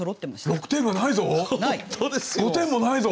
６点がないぞ！